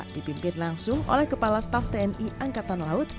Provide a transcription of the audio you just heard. dipimpin langsung oleh kepala staf tni angkatan laut